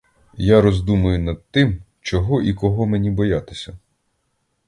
Я роздумую над тим, чого і кого мені боятися?